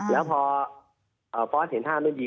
แล้วพอฟอสเห็นท่าไม่ได้ดี